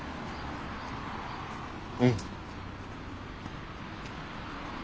うん。